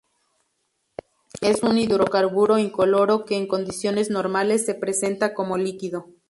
Es un hidrocarburo incoloro que en condiciones normales se presenta como líquido.